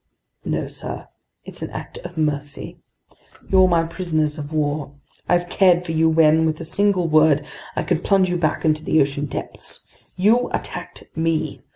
"No, sir, it's an act of mercy! You're my prisoners of war! I've cared for you when, with a single word, I could plunge you back into the ocean depths! You attacked me!